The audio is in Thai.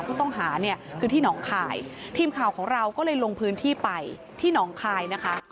ผู้ต้องหาเนี่ยคือที่หนองคายทีมข่าวของเราก็เลยลงพื้นที่ไปที่หนองคายนะคะ